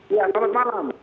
iya selamat malam